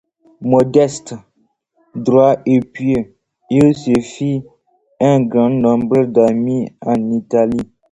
Modeste, droit et pieux, il se fit un grand nombre d'amis en Italie.